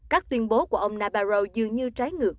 các tuyên bố của ông nabaro dường như trái ngược